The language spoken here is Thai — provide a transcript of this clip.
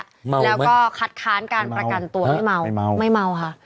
อืมแล้วก็คัดค้านการประกันตัวไม่เมาเมาไม่เมาค่ะ